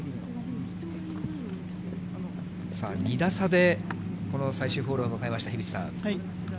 さあ、２打差でこの最終ホールを迎えました、樋口さん。